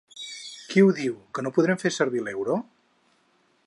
Qui ho diu, que no podrem fer servir l’euro?